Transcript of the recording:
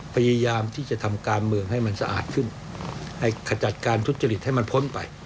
พยายามที่จะทำการเมืองให้มันสะอาดขึ้นให้ขจัดการทุจริตให้มันพ้นไป